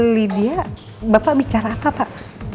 lydia bapak bicara apa pak